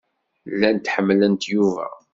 Llant ḥemmlent Yuba.